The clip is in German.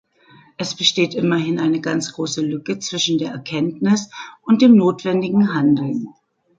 Es besteht immerhin eine ganz große Lücke zwischen der Erkenntnis und dem notwendigen Handeln.